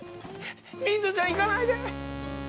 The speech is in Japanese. ミントちゃん行かないで！